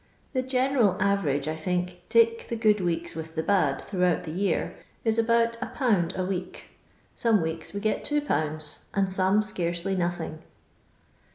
The general average, I think, take the good weeks with the bad throughout the year, is about 1/. a week ; some weeks we get 21., and some scarcely nothing."